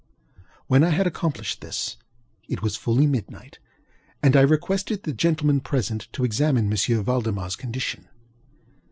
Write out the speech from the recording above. When I had accomplished this, it was fully midnight, and I requested the gentlemen present to examine M. ValdemarŌĆÖs condition.